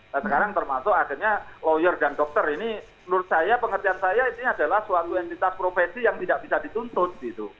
nah sekarang termasuk akhirnya lawyer dan dokter ini menurut saya pengertian saya ini adalah suatu entitas profesi yang tidak bisa dituntut gitu